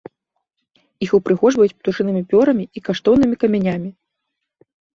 Іх ўпрыгожваюць птушынымі пёрамі і каштоўнымі камянямі.